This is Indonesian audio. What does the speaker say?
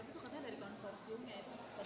tapi itu katanya dari konsorsium ya